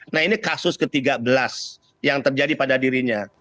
nah ini kasus ke tiga belas yang terjadi pada dirinya